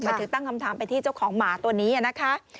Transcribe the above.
ถึงตั้งคำถามไปที่เจ้าของหมาตัวนี้นะคะ